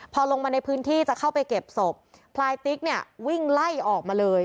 พอลงมาในพื้นที่จะเข้าไปเก็บศพพลายติ๊กเนี่ยวิ่งไล่ออกมาเลย